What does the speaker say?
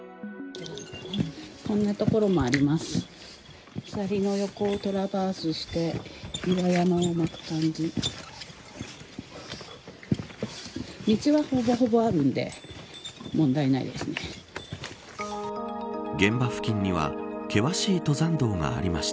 こんな所もあります。